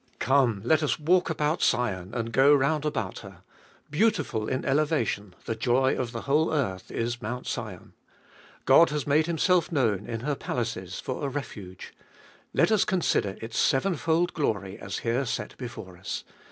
Come, let us walk about Sion, and go round about her. Beautiful in elevation, the joy of the whole earth, is Mount Sion. God has made Himself known in her palaces for a refuge ! Let us consider its sevenfold glory as here set before us.